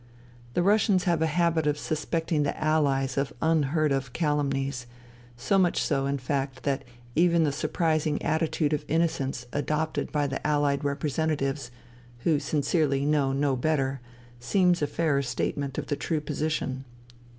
The Russians have a habit of suspecting the " Allies '* of unheard of calumnies, so much so in fact that even the surprising attitude INTERVENING IN SIBERIA 211 of innocence adopted by the allied representatives, who sincerely know no better, seems a fairer state ment of the true position.